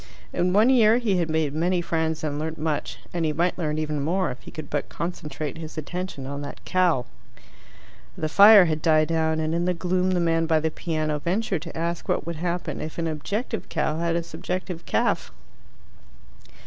In one year he had made many friends and learnt much, and he might learn even more if he could but concentrate his attention on that cow. The fire had died down, and in the gloom the man by the piano ventured to ask what would happen if an objective cow had a subjective calf.